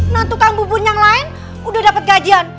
nah tukang bubur yang lain udah dapet gajian